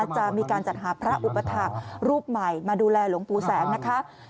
จะมีการจัดหาพระอุปถักษ์รูปใหม่มาดูแลหลวงปู่แสงนะคะ